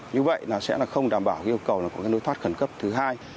như vậy sẽ không đảm bảo yêu cầu có nối thoát khẩn cấp thứ hai